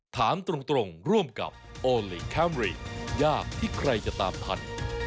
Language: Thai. ถามตรงร่วมกับโอลี่คัมรี่ยากที่ใครจะตามทัน